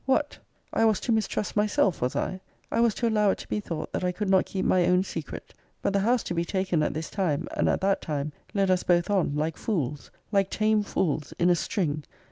What! I was to mistrust myself, was I? I was to allow it to be thought, that I could >>> not keep my own secret? But the house to be >>> taken at this time, and at that time, led us both on >>> like fools, like tame fools, in a string.